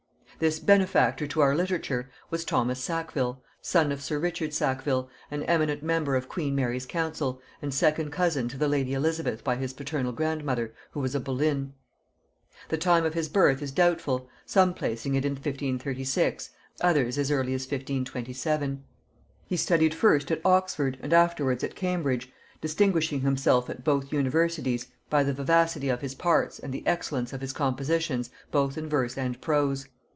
This benefactor to our literature was Thomas Sackville, son of sir Richard Sackville, an eminent member of queen Mary's council, and second cousin to the lady Elizabeth by his paternal grandmother, who was a Boleyn. The time of his birth is doubtful, some placing it in 1536, others as early as 1527. He studied first at Oxford and afterwards at Cambridge, distinguishing himself at both universities by the vivacity of his parts and the excellence of his compositions both in verse and prose.